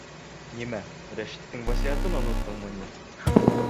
— Нимә, Рәшиттең васыятын оноттоңмо ни?